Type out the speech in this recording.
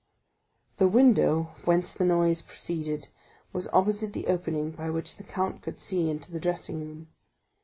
The window whence the noise proceeded was opposite the opening by which the count could see into the dressing room.